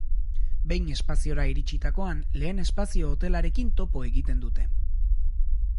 Behin espaziora iritsitakoan lehen espazio hotelarekin topo egiten dute.